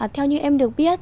theo như em được biết